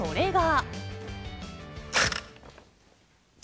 それが。